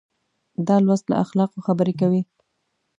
دا لوست له اخلاقو خبرې کوي.